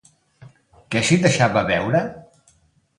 Què s'hi deixava veure?